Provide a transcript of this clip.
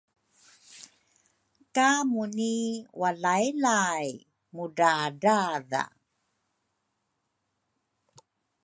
ka Muni walaylay mudradradha.